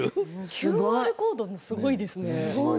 ＱＲコードすごいですね